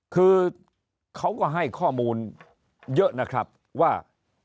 คือเขาก็ให้ข้อมูลเยอะนะครับว่า